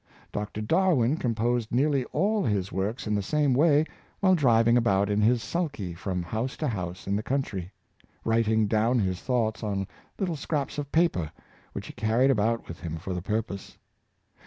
Dr. Darwin composed nearly all his works in the same way while driving about in his *' sulky '' from house to house in the country — writing down his thoughts on little scraps of paper, which he carried about with him for the purpose.